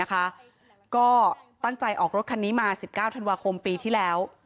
ก็ตั้งใจออกรถคันนี้มา๑๙ธันวาคมปีที่แล้ว